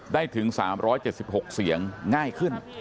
ถึง๓๗๖เสียงง่ายขึ้น